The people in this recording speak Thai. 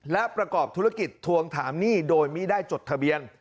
และประกอบธุรกิจทวงถามหนี้โดยไม่ได้จดทะเบียน